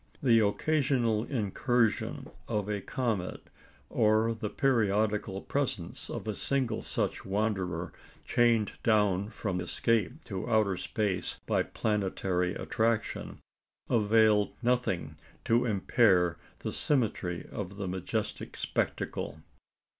The occasional incursion of a comet, or the periodical presence of a single such wanderer chained down from escape to outer space by planetary attraction, availed nothing to impair the symmetry of the majestic spectacle.